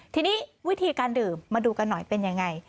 ทีนี้วิธีการดื่มมาดูกันหน่อยเป็นยังไง